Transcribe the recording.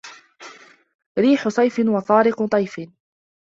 ريح صيف وطارق طيف ز